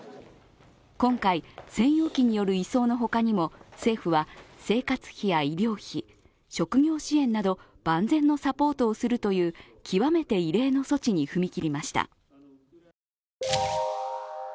今回、専用機による移送の他にも政府は生活費や医療費、職業支援など万全のサポートをするという、極めて異例の措置に踏み切りました。